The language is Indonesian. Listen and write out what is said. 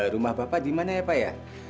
rumah bapak gimana ya pak ya